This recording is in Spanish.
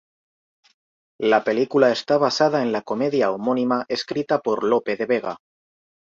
La película está basada en la comedia homónima escrita por Lope de Vega.